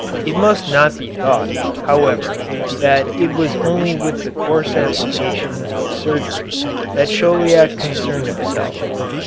It must not be thought, however, that it was only with the coarse applications of surgery that Chauliac concerned himself.